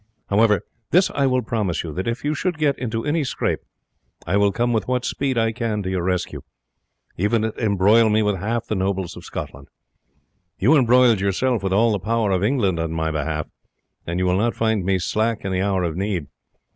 However, this I will promise you, that if you should get into any scrape I will come with what speed I can to your rescue, even if it embroil me with half the nobles of Scotland. You embroiled yourself with all the power of England in my behalf, and you will not find me slack in the hour of need.